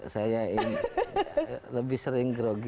saya lebih sering grogi